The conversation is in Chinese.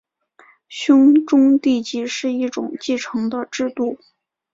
兄终弟及是一种继承的制度。